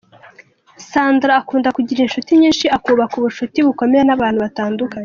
Sandra akunda kugira inshuti nyinshi akubaka ubucuti bukomeye n’abantu batandukanye.